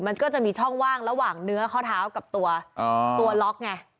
มันก็จะมีช่องว่างระหว่างเนื้อข้อเท้ากับตัวตัวล็อกไง